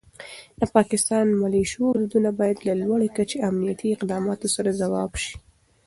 د پاکستاني ملیشو بریدونه باید د لوړ کچې امنیتي اقداماتو سره ځواب شي.